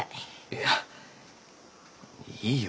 いやいいよ